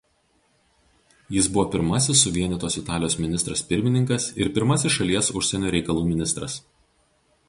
Jis buvo pirmasis suvienytos Italijos ministras pirmininkas ir pirmasis šalies užsienio reikalų ministras.